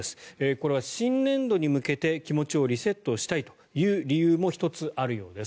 これは新年度に向けて気持ちをリセットしたいという理由も１つあるようです。